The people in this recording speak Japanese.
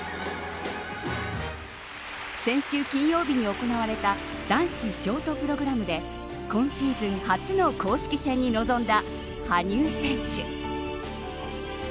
先週金曜日に行われた男子ショートプログラムで今シーズン初の公式戦に臨んだ羽生選手。